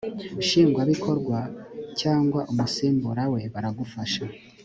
nshingwabikorwa cyangwa umusimbura we baragufasha